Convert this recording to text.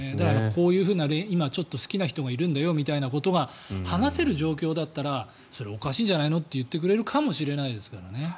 こういうふうな今ちょっと好きな人がいるんだよみたいな話せる状況だったらそれはおかしいんじゃないのって言ってくれるかもしれないですからね。